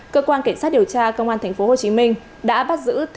cơ quan cảnh sát điều tra công an tp hcm đã bắt giữ